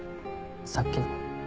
さっきの。